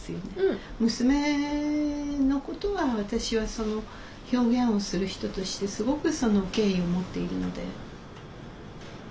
娘のことは私はその表現をする人としてすごく敬意を持っているので。